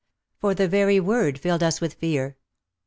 For the very word filled us with fear.